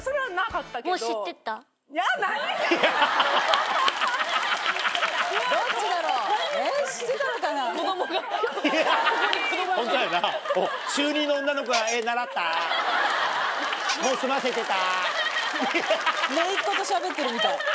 姪っ子としゃべってるみたい。